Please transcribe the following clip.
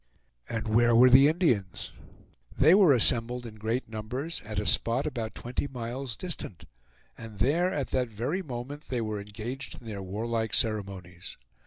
And where were the Indians? They were assembled in great numbers at a spot about twenty miles distant, and there at that very moment they were engaged in their warlike ceremonies.